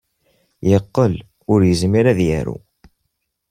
Yeqqel ur yezmir ad yaru.